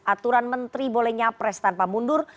aturan menteri bolehnya pres tanpa mundur